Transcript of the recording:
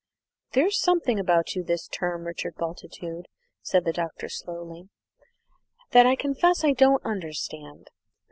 "There's something about you this term, Richard Bultitude," said the Doctor slowly, "that I confess I don't understand.